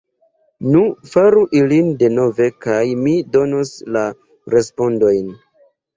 Nu, faru ilin denove kaj mi donos la respondojn.